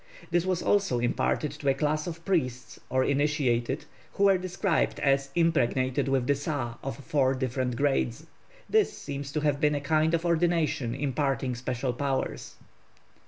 This was also imparted to a class of priests or initiated who were described as 'impregnated with the sa' of four different grades. This seems to have been a kind of ordination imparting special powers.